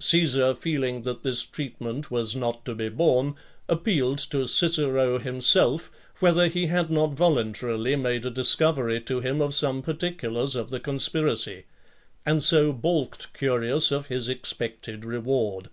Caesar, feeling that this treatment was not to be borne, appealed to Cicero himself, whether he had not voluntarily made a discovery to him of some particulars of the conspiracy; and so baulked Curius of his expected reward.